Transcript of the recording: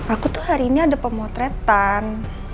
aku tuh hari ini ada pemotretan